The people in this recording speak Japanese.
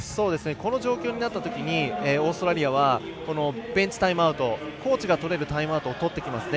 この状況になったときにオーストラリアはベンチタイムアウトコーチがとれるタイムアウトをとってきました。